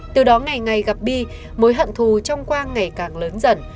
từ đó ngày ngày gặp đi mối hận thù trong quang ngày càng lớn dần